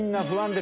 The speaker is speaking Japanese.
で